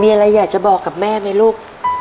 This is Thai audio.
มีอะไรอยากจะบอกกับแม่ไหมลูก